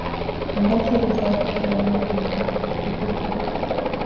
އަންދާސީ ހިސާބު ހުށަހެޅުމުގެ މުއްދަތު އިތުރު ކުރުން